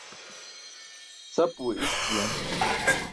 Sapuwe isk juwan.